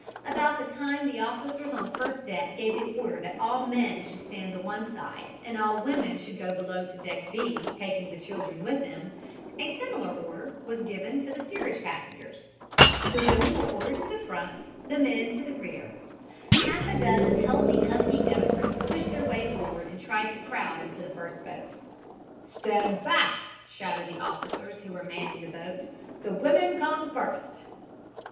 About the time the officers on the first deck gave the order that all men should stand to one side and all women should go below to deck B, taking the children with them, a similar order was given to the steerage passengers. The women were ordered to the front, the men to the rear. Half a dozen healthy, husky immigrants pushed their way forward and tried to crowd into the first boat. "Stand back," shouted the officers who were manning the boat. "The women come first."